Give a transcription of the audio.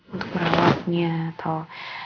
untuk merawatnya atau